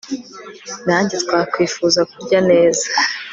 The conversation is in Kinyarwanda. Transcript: nanjye twakwifuza kurya neza